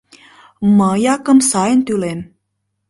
Мый акым сайын тӱлем.